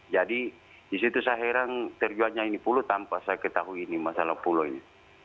jadi di situ saya heran terjualnya ini pulau tanpa saya ketahui ini masalah pulau ini